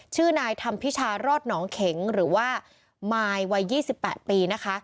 ชื่อนายธรรมพิชารอดหนองเข็งหรือว่ามายวัย๒๘ปีนะคะ